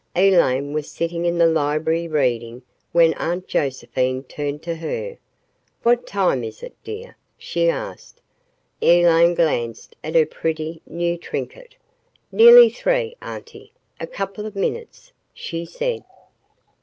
Elaine was sitting in the library reading when Aunt Josephine turned to her. "What time is it, dear?" she asked. Elaine glanced at her pretty new trinket. "Nearly three, Auntie a couple of minutes," she said.